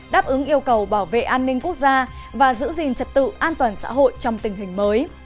đáp ứng yêu cầu bảo vệ an ninh quốc gia và giữ gìn trật tự an toàn xã hội trong tình hình mới